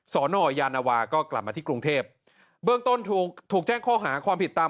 สอนอยานวาก็กลับมาที่กรุงเทพเบื้องต้นถูกถูกแจ้งข้อหาความผิดตาม